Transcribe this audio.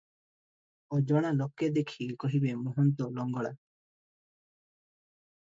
ଅଜଣା ଲୋକେ ଦେଖି କହିବେ, ମହନ୍ତ ଲଙ୍ଗଳା ।